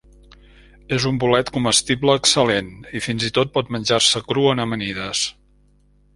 És un bolet comestible excel·lent i, fins i tot, pot menjar-se crua en amanides.